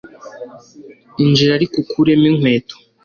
injira ariko ukuremo inkweto